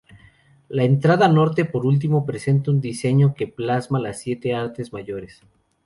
La entrada norte, por último, presenta un diseño que plasma las siete artes mayores.